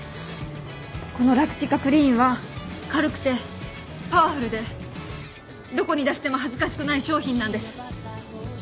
このラクティカクリーンは軽くてパワフルでどこに出しても恥ずかしくない商品なんです。